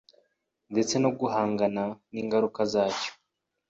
ndetse no guhangana n’ingaruka zacyo